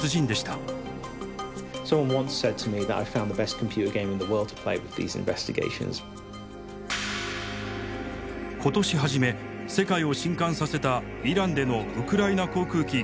今年初め世界を震撼させたイランでのウクライナ航空機撃墜の真相。